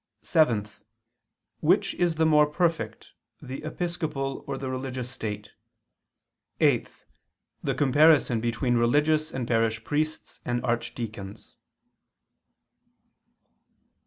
(7) Which is the more perfect, the episcopal or the religious state? (8) The comparison between religious and parish priests and archdeacons.